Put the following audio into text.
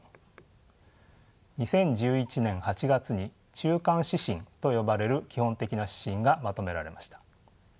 ２０１１年８月に中間指針と呼ばれる基本的な指針がまとめられました。